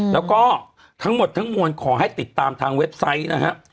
แล้วก็ทั้งหมดทั้งมวลขอให้ติดตามทางเว็บไซต์นะฮะ